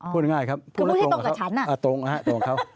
พูดง่ายครับพูดแล้วตรงกับเขาอ่าตรงครับตรงกับเขาคือพูดให้ตรงกับฉัน